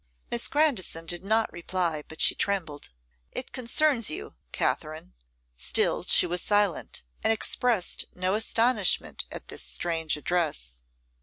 Miss Grandison did not reply, but she trembled. 'It concerns you, Katherine.' Still she was silent, and expressed no astonishment at this strange address.